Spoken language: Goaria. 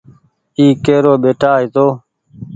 اي ڪيرو ٻيٽآ هيتو ۔